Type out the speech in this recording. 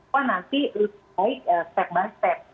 wah nanti lebih baik step by step